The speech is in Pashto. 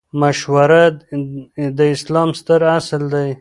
مشوره د اسلام ستر اصل دئ.